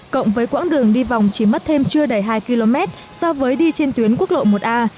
cộng với quãng đường đi vòng chỉ mất thêm chưa đầy hai km so với đi trên tuyến quốc lộ một a